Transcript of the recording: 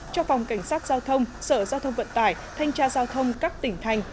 cho phòng cảnh sát giao thông sở giao thông vận tải thanh tra giao thông các tỉnh thành